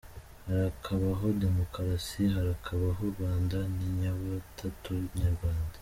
Harakabaho Demukarasi, harakabaho u Rwanda n’inyabutatu nyarwanda.